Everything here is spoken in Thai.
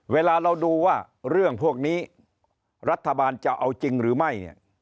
เวลาเราดูว่าเรื่องพวกนี้รัฐบาลจะเอาจริงหรือไม่เนี่ย